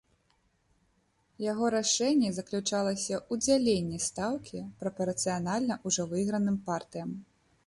Яго рашэнне заключалася ў дзяленні стаўкі прапарцыянальна ўжо выйграным партыям.